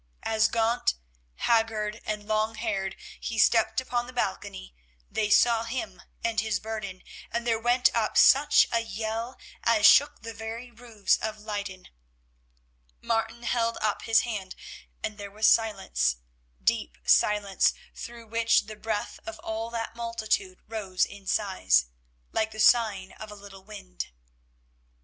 As gaunt, haggard, and long haired, he stepped upon the balcony, they saw him and his burden, and there went up such a yell as shook the very roofs of Leyden. Martin held up his hand, and there was silence, deep silence, through which the breath of all that multitude rose in sighs, like the sighing of a little wind.